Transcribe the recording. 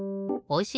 お！